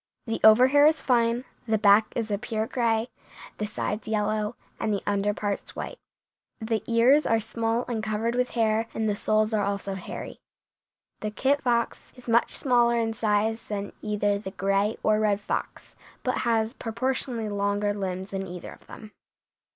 The overhair is fine, the back is a pure gray, the sides yellow, and the under parts white. The ears are small and covered with hair and the soles are also hairy. The kit fox is much smaller in size than either the gray or red fox, but has proportionately longer limbs than either of them.